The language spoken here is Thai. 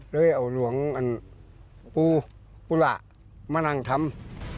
เลยเอาหลวงปูล่ามานั่งทำ